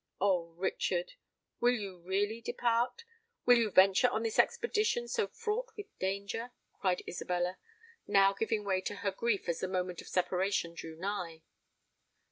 "Oh! Richard, will you really depart? will you venture on this expedition, so fraught with danger?" cried Isabella, now giving way to her grief as the moment of separation drew nigh.